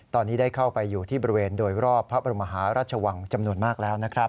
ตอนนี้ได้เข้าไปอยู่ที่บริเวณโดยรอบพระบรมหาราชวังจำนวนมากแล้วนะครับ